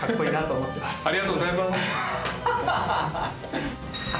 ありがとうございます。